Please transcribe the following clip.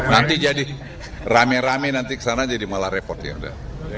nanti jadi rame rame nanti kesana jadi malah repot ya udah